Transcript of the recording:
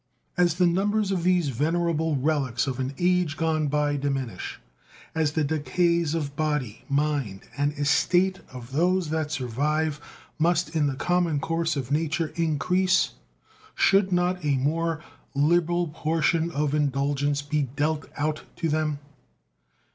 As the numbers of these venerable relics of an age gone by diminish; as the decays of body, mind, and estate of those that survive must in the common course of nature increase, should not a more liberal portion of indulgence be dealt out to them?